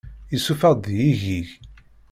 Isuffeɣ-d deg-i igig.